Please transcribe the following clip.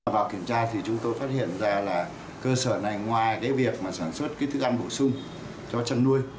vào kiểm tra thì chúng tôi phát hiện ra là cơ sở này ngoài việc sản xuất thức ăn bổ sung cho chăn nuôi